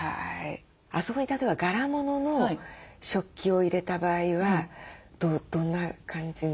あそこに例えば柄物の食器を入れた場合はどんな感じの？